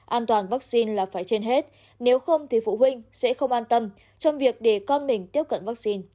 an toàn vắc xin là phải trên hết nếu không thì phụ huynh sẽ không an tâm trong việc để con mình tiếp cận vắc xin